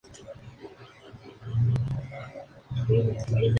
Son comúnmente encontrados en calles, parques, y como atractivos en jardines.